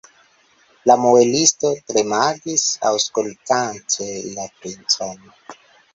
La muelisto tremadis, aŭskultante la princon.